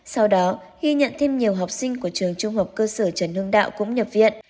sau đó ghi nhận thêm nhiều học sinh của trường trung học cơ sở trần hương đạo cũng nhập viện